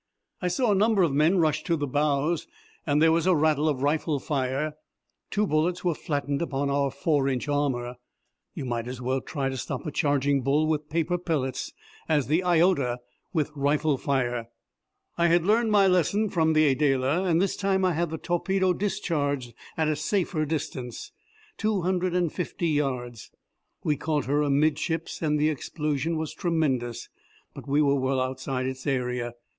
I saw a number of men rush to the bows, and there was a rattle of rifle fire. Two bullets were flattened upon our four inch armour. You might as well try to stop a charging bull with paper pellets as the Iota with rifle fire. I had learned my lesson from the Adela, and this time I had the torpedo discharged at a safer distance two hundred and fifty yards. We caught her amidships and the explosion was tremendous, but we were well outside its area.